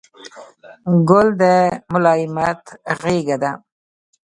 ګل د ملایمت غېږه ده.